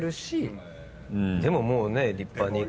でももうね立派に。